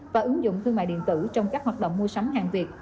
và ứng dụng thương mại điện tử trong các hoạt động mua sắm hàng việt